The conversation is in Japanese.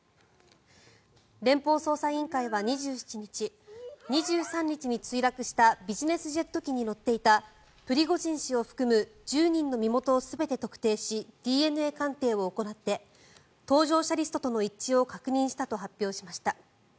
連邦捜査委員会は２７日２３日に墜落したビジネスジェット機に乗っていたプリゴジン氏を含む１０人の身元を全て特定しＤＮＡ鑑定を行って搭乗者リストとの一致を確認したと発表しました。